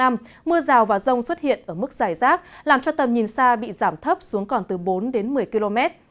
mưa rào và rông xuất hiện ở mức dài rác làm cho tầm nhìn xa bị giảm thấp xuống còn từ bốn đến một mươi km